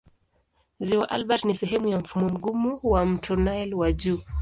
Ziwa Albert ni sehemu ya mfumo mgumu wa mto Nile wa juu.